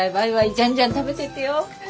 じゃんじゃん食べてってよ。